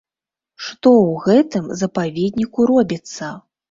Што ў гэтым запаведніку робіцца?